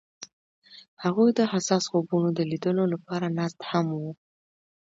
هغوی د حساس خوبونو د لیدلو لپاره ناست هم وو.